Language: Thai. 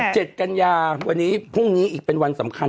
กันยาวันนี้พรุ่งนี้อีกเป็นวันสำคัญ